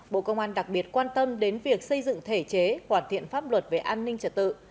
bộ công an đặc biệt quan tâm đến việc xây dựng thể chế hoàn thiện pháp luật về an ninh trật tự